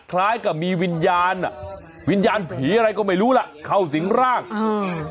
คล้ายกับมีวิญญาณอ่ะวิญญาณผีอะไรก็ไม่รู้ล่ะเข้าสิงร่างอืม